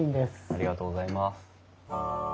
ありがとうございます。